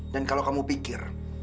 dan kalau kamu pikir